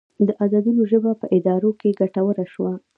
د عددونو ژبه په ادارو کې ګټوره شوه.